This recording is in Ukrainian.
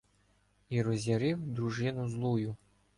І роз'ярив дружину злую